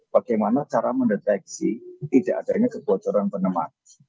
bagaimana cara mendeteksi tidak adanya kebocoran penemak